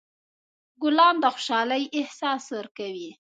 ګلان د خوشحالۍ احساس ورکوي.